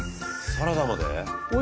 サラダまで？